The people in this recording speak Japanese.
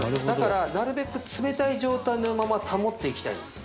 だからなるべく冷たい状態のまま保っていきたい。